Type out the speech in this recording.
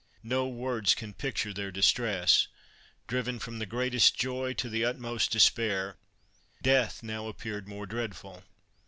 No words can picture their distress; driven from the greatest joy to the utmost despair, death now appeared more dreadful.